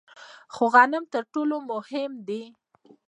خو غنم تر ټولو مهم دي.